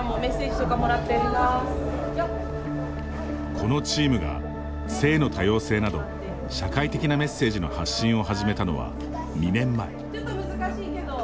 このチームが、性の多様性など社会的なメッセージの発信を始めたのは、２年前。